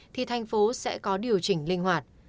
thì thành phố sẽ có điều chỉnh linh hoạt